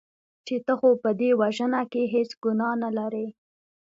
چې ته خو په دې وژنه کې هېڅ ګناه نه لرې .